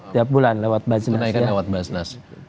tiap bulan lewat basnas